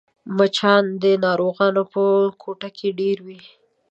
مچان د ناروغانو په کوټه کې ډېر وي